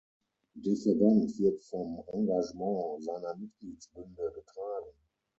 Der Verband wird vom Engagement seiner Mitgliedsbünde getragen.